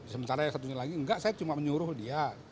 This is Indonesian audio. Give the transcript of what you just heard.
sementara yang satunya lagi enggak saya cuma menyuruh dia